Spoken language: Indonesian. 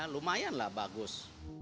lumayan lah bagus